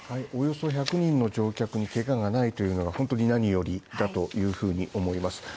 およそ１００人の乗客にけががないというのが本当に何よりだというふうに思います。